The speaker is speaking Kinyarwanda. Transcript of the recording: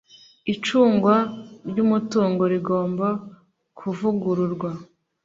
Icungwa ry’ umutungo rigomba kuvugururwa